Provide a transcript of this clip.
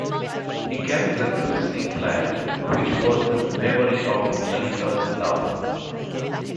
He carries a tulsi plant which was his memory of Lalitha's love.